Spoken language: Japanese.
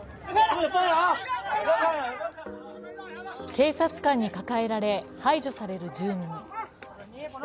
警察官に抱えられ、排除される住民。